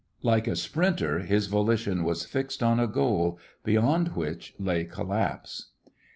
Like a sprinter his volition was fixed on a goal, beyond which lay collapse.